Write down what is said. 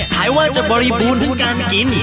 หายว่าจะบริบูรณ์ทั้งการกิน